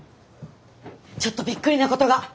ちょっとびっくりなことが！